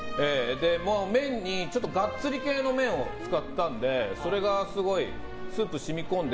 麺にガッツリ系の麺を使ったのですごいスープが染み込んで。